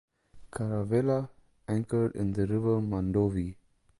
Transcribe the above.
Caravela, anchored in the River Mandovi.